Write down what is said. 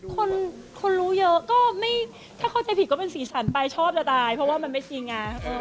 คนคนรู้เยอะก็ไม่ถ้าเข้าใจผิดก็เป็นสีสันไปชอบจะตายเพราะว่ามันไม่ชิงา